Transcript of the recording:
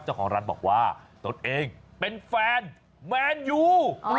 เจ้าของร้านบอกว่าตนเองเป็นแฟนแมนยู